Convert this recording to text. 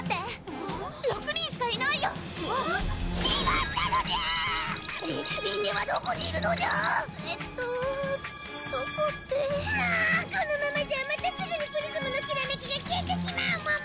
もこのままじゃまたすぐにプリズムのきらめきが消えてしまうモモ！